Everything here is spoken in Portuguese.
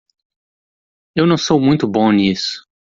Eu não sou muito bom nisso.